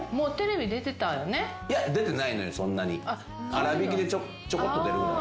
『あらびき』でちょこっと出るぐらい。